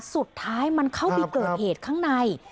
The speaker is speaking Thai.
สุดท้ายมันเข้าไปเกิดเหตุข้างใน